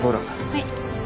はい。